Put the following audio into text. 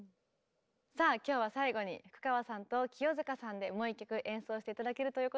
さあ今日は最後に福川さんと清塚さんでもう１曲演奏して頂けるということなんですが。